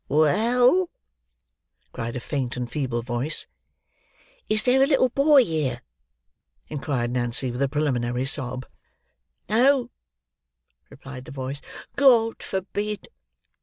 "Well!" cried a faint and feeble voice. "Is there a little boy here?" inquired Nancy, with a preliminary sob. "No," replied the voice; "God forbid."